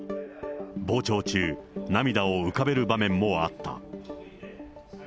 傍聴中、涙を浮かべる場面もあった。